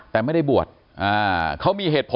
แต่ไม่ได้บวช